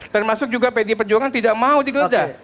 termasuk juga pdi perjuangan tidak mau digeledah